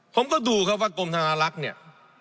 ผมก็ดูครับว่ากรมธนาลักษณ์เนี่ย